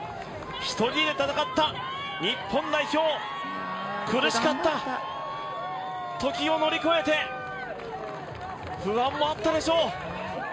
一人で戦った日本代表苦しかったときを乗り越えて不安もあったでしょう。